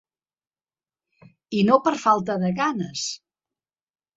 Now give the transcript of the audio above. I no per falta de ganes.